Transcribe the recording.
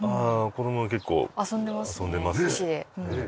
子供は結構遊んでますね石で。